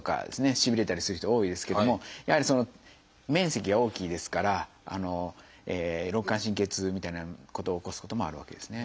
しびれたりする人が多いですけどもやはりその面積が大きいですから肋間神経痛みたいなことを起こすこともあるわけですね。